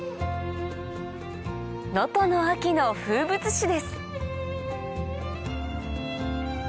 能登の秋の風物詩です